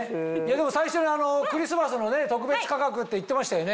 でも最初にクリスマスの特別価格って言ってましたよね？